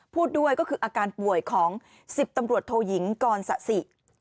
พูดด้วยก็คืออาการป่วยของ๑๐ตำรวจโทยิงกรสะสิ